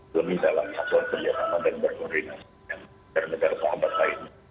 semisal hasil kerjasama dan berkoordinasi dengan negara negara sahabat lain